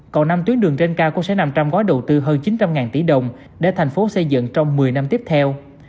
còn năm tuyến đường trên cao cũng sẽ nằm trong gói đầu tư hơn chín trăm linh tỷ đồng để thành phố xây dựng trong một mươi năm tiếp theo